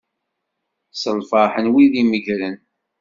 S lferḥ n wid imeggren.